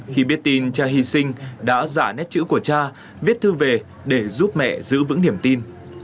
khi biết tin cha hy sinh đã giả nét chữ của cha viết thư về để giúp mẹ giữ vững niềm tin